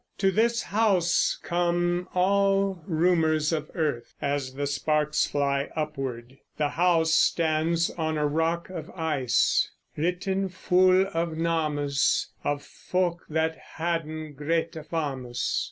To this house come all rumors of earth, as the sparks fly upward. The house stands on a rock of ice writen ful of names Of folk that hadden grete fames.